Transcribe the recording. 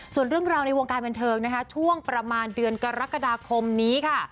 ส่วนเรื่องราวในวงการบันเทิงนะคะช่วงประมาณเดือนกรกฎาคมนี้ค่ะ